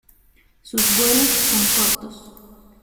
Sus vuelos son cortos.